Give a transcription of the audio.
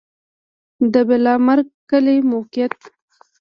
د بالامرګ کلی موقعیت